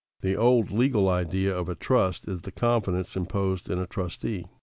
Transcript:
The old legal idea of a trust is the confidence imposed in a trustee.